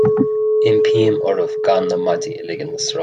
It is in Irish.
Impím oraibh gan na maidí a ligin le sruth